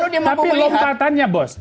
tapi lompatannya bos